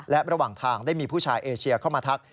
และระหว่างทางได้มีผู้ชายเอเชียเข้ามาทัก